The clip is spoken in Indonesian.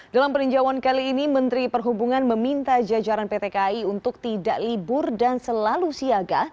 dalam peninjauan kali ini menteri perhubungan meminta jajaran pt kai untuk tidak libur dan selalu siaga